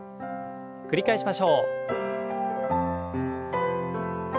繰り返しましょう。